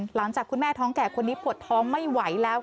หลังจากคุณแม่ท้องแก่คนนี้ปวดท้องไม่ไหวแล้ว